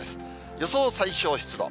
予想最小湿度。